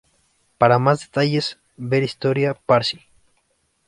Para más detalles, ver Historia Parsi.